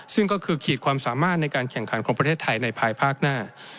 ซึ่งก็คือขีดความสามารถในการแข่งขันของประเทศไทยในภายภาคหน้า